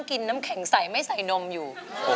กินน้ำแข็งใสไม่ใส่นมอยู่